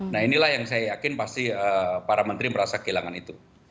nah inilah yang saya yakin pasti para menteri merasa kehilangan itu